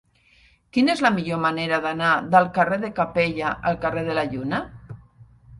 Quina és la millor manera d'anar del carrer de Capella al carrer de la Lluna?